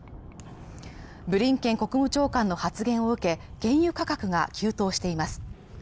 ブリンケン国務長官の発言を受け原油価格が急騰しています